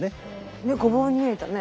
ごぼうに見えたね。